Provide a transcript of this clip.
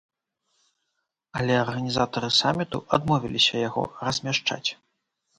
Але арганізатары саміту адмовіліся яго размяшчаць.